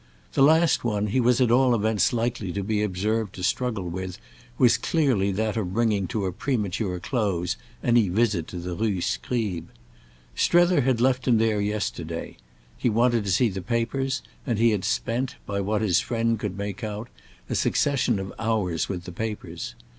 The last one he was at all events likely to be observed to struggle with was clearly that of bringing to a premature close any visit to the Rue Scribe. Strether had left him there yesterday; he wanted to see the papers, and he had spent, by what his friend could make out, a succession of hours with the papers.